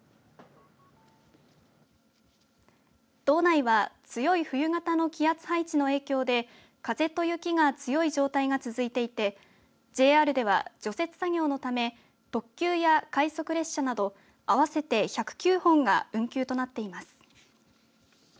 道内は強い冬型の気圧配置の影響で風と雪が強い状態が続いていてＪＲでは、除雪作業のため特急や快速列車など合わせて１０９本が運休となっています。